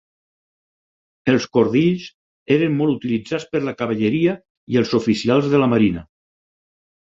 Els cordills eren molt utilitzats per la cavalleria i els oficials de la marina.